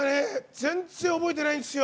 全然、覚えてないんですよ。